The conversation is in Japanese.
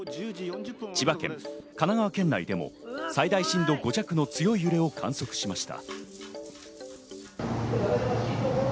千葉県、神奈川県内でも最大震度５弱の強い揺れを観測しました。